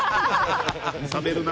冷めるな。